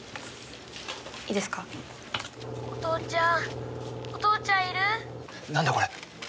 お父ちゃん、お父ちゃん、なんだ、これ？